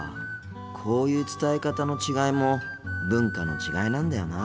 こういう伝え方の違いも文化の違いなんだよな。